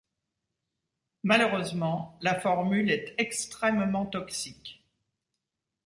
Malheureusement, la formule est extrêmement toxique.